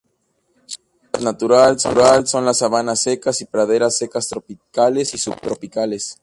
Su hábitat natural son la sabanas secas y praderas secas tropicales y subtropicales.